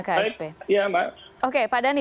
ksp oke pak dhani